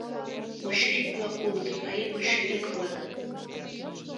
Большевик-влак улыт, марий большевик-влак.